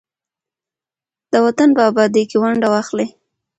د وطن په ابادۍ کې ونډه واخلئ.